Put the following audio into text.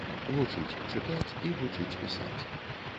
Вучыць чытаць і вучыць пісаць.